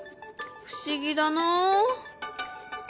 不思議だな。